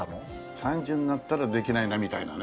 ３０になったらできないなみたいなね